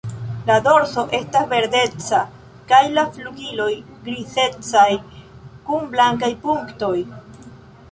Lo dorso estas verdeca kaj la flugiloj grizecaj kun blankaj punktoj.